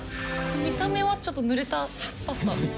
見た目はちょっとぬれたパスタ。